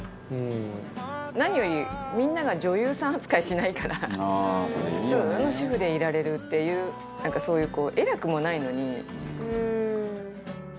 何よりみんなが女優さん扱いしないから普通の主婦でいられるっていうなんかそういう。